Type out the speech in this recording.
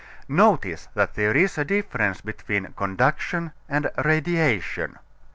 Notice that there is a difference between conduction and radiation.